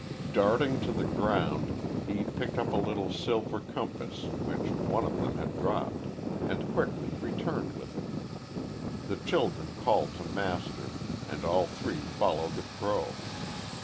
Darting to the ground, he picked up a little silver compass which, one of them had dropped, and quickly returned with it. The children called to Master, and all three followed the crow.